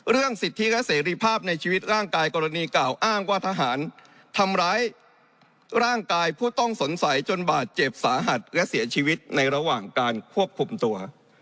เรื่องสิทธิและเสรีภาพในชีวิตร่างกายกรณีกล่าวอ้างว่าทหารทำร้ายร่างกายผู้ต้องสงสัยจนบาดเจ็บสาหัสและเสียชีวิตในระหว่างการควบคุมตัว